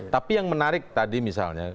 tapi yang menarik tadi misalnya